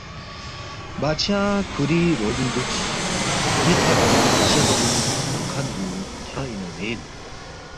بادشاہ کُھوری رُعبِنگ دُوکس، ن٘ی کھر پو چغین اونگ کھن پو کھیانگ اِنا مین؟